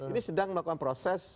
ini sedang melakukan proses